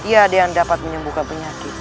tiada yang dapat menyembuhkan penyakit